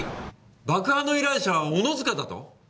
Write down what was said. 爆破の依頼者は小野塚だと！？